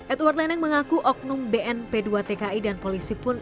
edward leneng mengaku oknum bnp dua tki dan polisi pun